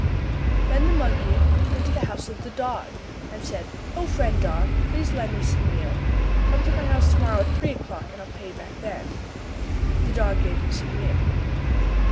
Then the monkey went to the house of the dog and said, "O, friend dog, please lend me some meal. Come to my house to morrow at three o'clock and I'll pay you back then." The dog gave him some meal.